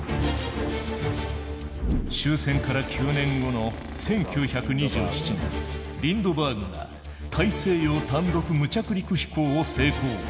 終戦から９年後の１９２７年リンドバーグが大西洋単独無着陸飛行を成功。